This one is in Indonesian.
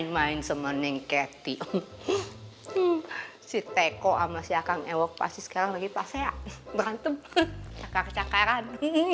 main sama neng ketty si teko ama si akan ewek pasti sekarang lagi pas ya berantem cakar cakaran